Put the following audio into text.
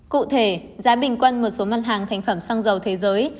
cụ thể giá bình quân một số mặt hàng thành phẩm xăng dầu thế giới